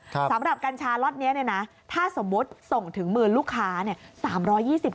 สำหรับกัญชาล็อตนี้เนี่ยนะถ้าสมมุติส่งถึงมือลูกค้าเนี่ย